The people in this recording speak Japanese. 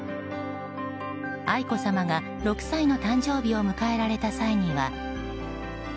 愛子さまが６歳の誕生日を迎えられた際には。